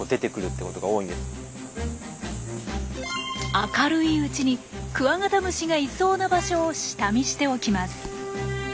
明るいうちにクワガタムシがいそうな場所を下見しておきます。